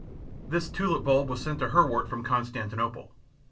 This tulip bulb was sent to Herwart from Constantinople.